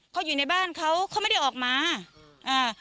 เขาอยู่ในบ้านเขาเขาไม่ได้ออกมาอ่า